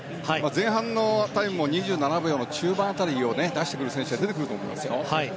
前半のタイムも２７秒の中盤辺りを出してくる選手がいると思います。